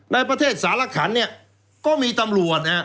ในประเทศสารขันเนี่ยก็มีตำรวจนะฮะ